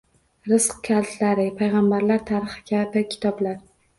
“Rizq kalitlari”, “Payg‘ambarlar tarixi” kabi kitoblari